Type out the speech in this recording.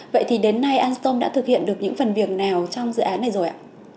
vậy thì đến nay anston đã thực hiện được những phần việc nào trong dự án này rồi ạ